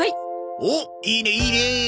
おっいいねいいねえ。